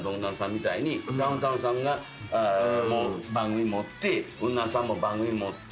ダウンタウンさんが番組持ってウンナンさんも番組持って。